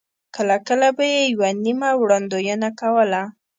کله کله به یې یوه نیمه وړاندوینه کوله.